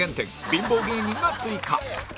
ビンボー芸人が追加